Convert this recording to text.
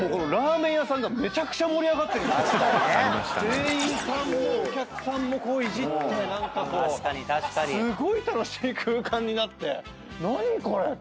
「店員さんもお客さんもいじってすごい楽しい空間になって何これ⁉って」